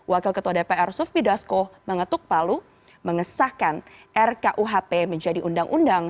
wakil ketua dpr sufmi dasko mengetuk palu mengesahkan rkuhp menjadi undang undang